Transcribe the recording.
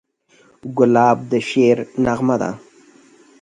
ګلاب د شعر نغمه ده.